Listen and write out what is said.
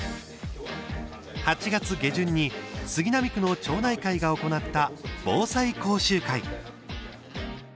８月下旬に杉並区の町内会が行った防災講習会。